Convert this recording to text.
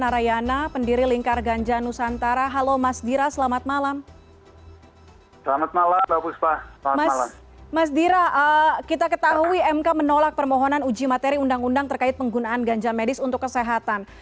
mas dira kita ketahui mk menolak permohonan uji materi undang undang terkait penggunaan ganja medis untuk kesehatan